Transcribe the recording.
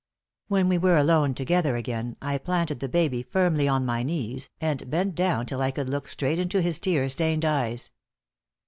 When we were alone together again, I planted the baby firmly on my knees and bent down till I could look straight into his tear stained eyes.